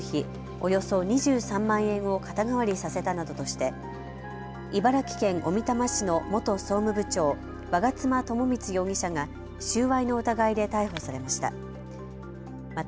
およそ２３万円を肩代わりさせたなどとして茨城県小美玉市の元総務部長、我妻智光容疑者が収賄の疑いで逮捕されました。